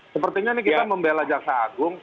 sepertinya ini kita membela jaksa agung